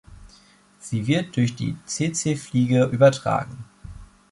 Sie wird durch die Tsetsefliege übertragen.